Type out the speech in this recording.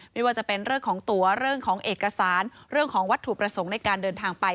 ไม่ว่าจะเป็นเรื่องของตัวเรื่องของเอกสารเรื่องของวัตถุประสงค์ในการเดินทางไป